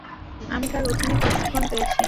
আমি তার অধীনে প্রশিক্ষণ পেয়েছি।